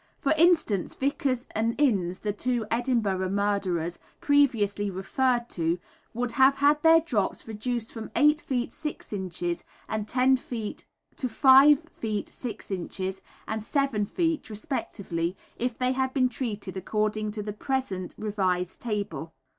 For instance, Vickers and Innes, the two Edinburgh murderers previously referred to would have had their drops reduced from 8 ft. 6 in. and 10 ft. to 5 ft. 6 in. and 7 ft. respectively if they had been treated according to the present revised table.